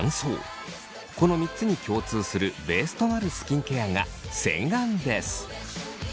この３つに共通するベースとなるスキンケアが洗顔です。